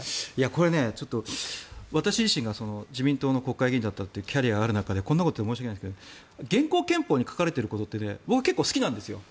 これ、私自身が自民党の国会議員だったってキャリアがある中でこんなこと言うのは申し訳ないんですが現行憲法に書かれていることって僕は結構好きなんですよ。